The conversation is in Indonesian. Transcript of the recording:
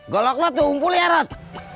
golok lo tuh umpul ya ros